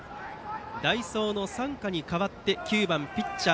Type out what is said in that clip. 代走の三家に代わって９番ピッチャー